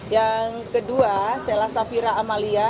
yang kedua selasafira amalia